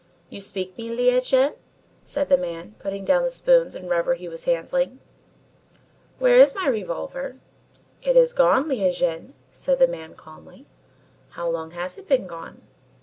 "You speak me, Lieh Jen?" said the man, putting down the spoons and rubber he was handling. "Where is my revolver?" "It is gone, Lieh Jen," said the man calmly. "How long has it been gone?"